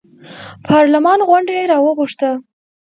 پارلمان غونډه یې راوغوښته.